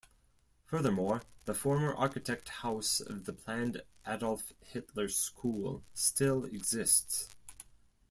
Furthermore, the former architect house of the planned Adolf Hitler School still exists.